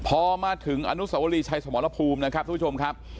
พอมาถึงอนุสวรีชัยสมรภูมินะครับทุกผู้ชมครับ